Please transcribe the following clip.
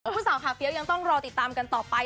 ผู้สาวขาเฟี้ยวยังต้องรอติดตามกันต่อไป